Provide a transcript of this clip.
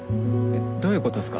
どういうことっすか？